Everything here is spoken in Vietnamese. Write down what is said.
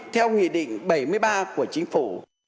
theo nghị định bảy mươi ba của chính phủ